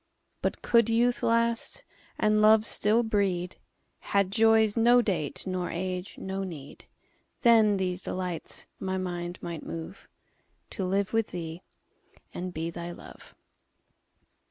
But could youth last, and love still breed, Had joys no date, nor age no need, Then these delights my mind might moveTo live with thee and be thy Love.